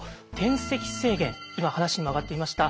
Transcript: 今話にも上がっていました